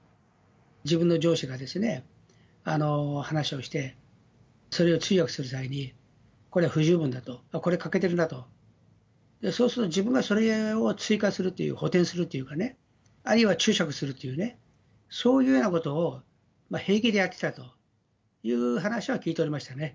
自分の上司が話をして、それを通訳する際に、これは不十分だと、これ、欠けてるなと、そうすると、自分でそれを追加するっていう、補填するっていうかね、あるいは注釈するというようなね、そういうようなことを平気でやってたという話は聞いておりましたね。